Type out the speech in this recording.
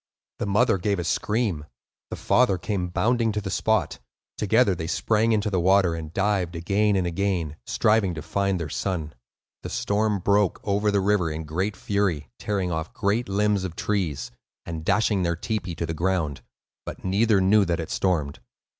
The mother gave a scream; the father came bounding to the spot; together they sprang into the water, and dived again and again, striving to find their son. The storm broke over the river in great fury, tearing off great limbs of trees, and dashing their tepee to the ground; but neither knew that it stormed.